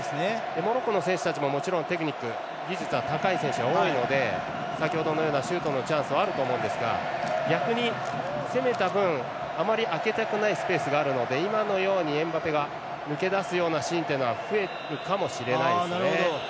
モロッコの選手たちももちろんテクニック技術は高い選手が多いのでシュートのチャンスはあると思いますが逆に攻めた分あまり空けたくないスペースがあるので今のように、エムバペが抜け出すようなシーンというのは増えるかもしれないですね。